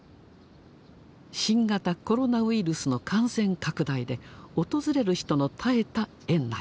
新型コロナウイルスの感染拡大で訪れる人の絶えた園内。